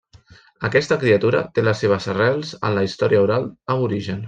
Aquesta criatura té les seves arrels en la història oral aborigen.